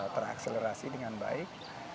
terakselerasi dengan baik